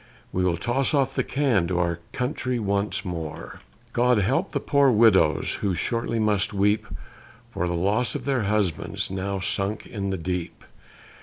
We will toss off the can to our country once more. God help the poor widows, who shortly must weep For the loss of their husbands, now sunk in the deep!